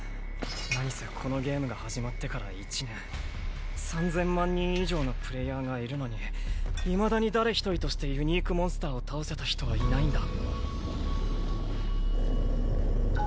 何せこのゲームが始まってから１年３０００万人以上のプレイヤーがいるのにいまだに誰一人としてユニークモンスターを倒せた人はいないんだ。